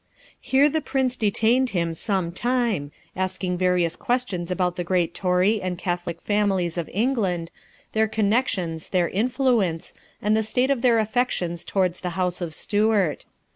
Here the Prince detained him some time, asking various questions about the great Tory and Catholic families of England, their connexions, their influence, and the state of their affections towards the house of Stuart.